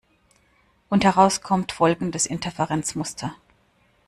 Und heraus kommt folgendes Interferenzmuster.